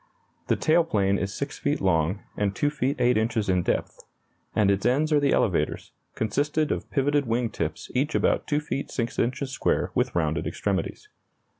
The tail plane is 6 feet long and 2 feet 8 inches in depth; at its ends are the elevators, consisting of pivoted wing tips each about 2 feet 6 inches square with rounded extremities.